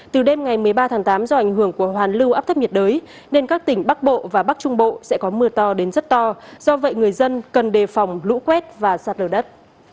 từ đêm ngày một mươi ba tháng tám do ảnh hưởng của hoàn lưu áp thấp nhiệt đới nên các tỉnh bắc bộ và bắc trung bộ sẽ có mưa to đến rất to do vậy người dân cần đề phòng lũ quét và sạt lở đất